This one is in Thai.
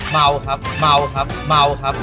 เมาครับเมาครับเมาครับ